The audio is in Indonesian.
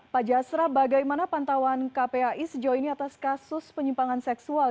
pak jasra bagaimana pantauan kpai sejauh ini atas kasus penyimpangan seksual